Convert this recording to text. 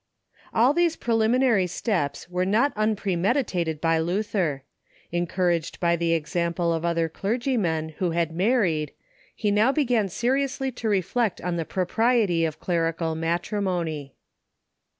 All these preliminary steps were not unpremeditated by Luther. Encouraged by the example of other clergymen who had married, he now began seriously to reflect on the propriety of clerical matrimony.